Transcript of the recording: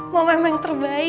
mama emang yang terbaik